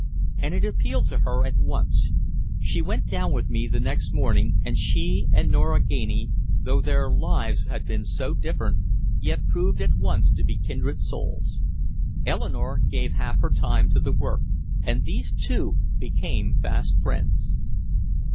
And it appealed to her at once. She went down with me the next morning, and she and Nora Ganey, though their lives had been so different, yet proved at once to be kindred souls. Eleanore gave half her time to the work, and these two became fast friends.